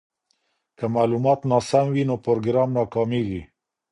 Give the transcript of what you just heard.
که معلومات ناسم وي نو پروګرام ناکامیږي.